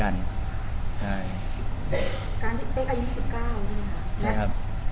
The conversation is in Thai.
การติดเต็กอายุ๑๙นี่ค่ะ